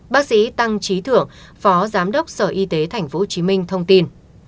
bác sĩ tăng trí thưởng phó giám đốc sở y tế tp hcm thông tin